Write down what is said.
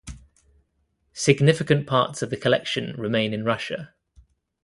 Significant parts of the collection remain in Russia.